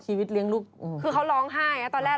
เลี้ยงลูกคือเขาร้องไห้นะตอนแรก